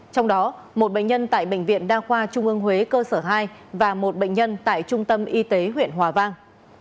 trong đó một bệnh nhân tại bệnh viện đa khoa trung ương huế cơ sở hai và một bệnh nhân tại trung tâm y tế huyện hòa vang